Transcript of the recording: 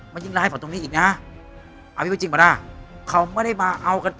มันยังร้ายออกตรงนี้อีกไหมจริงป่าได้เขาไม่ได้มาเอากัน